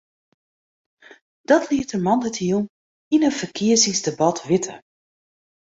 Dat liet er moandeitejûn yn in ferkiezingsdebat witte.